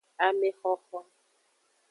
Amexoxo.